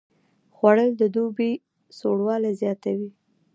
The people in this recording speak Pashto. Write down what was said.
خوړل د دوبي سوړوالی زیاتوي